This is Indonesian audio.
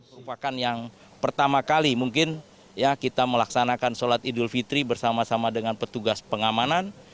merupakan yang pertama kali mungkin ya kita melaksanakan sholat idul fitri bersama sama dengan petugas pengamanan